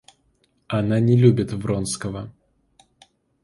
Она не любит Вронского.